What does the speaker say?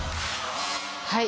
はい。